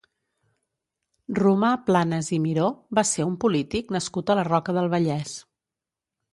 Romà Planas i Miró va ser un polític nascut a la Roca del Vallès.